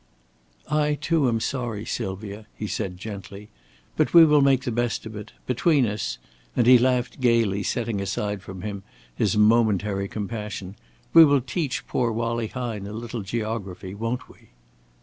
"I, too, am sorry, Sylvia," he said, gently; "but we will make the best of it. Between us" and he laughed gaily, setting aside from him his momentary compassion "we will teach poor Wallie Hine a little geography, won't we?"